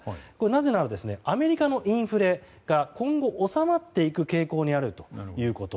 なぜならアメリカのインフレが今後収まっていく傾向にあるということ。